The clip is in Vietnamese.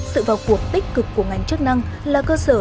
sự vào cuộc tích cực của ngành chức năng là cơ sở